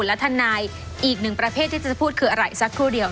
และทนายอีกหนึ่งประเภทที่จะพูดคืออะไรสักครู่เดียว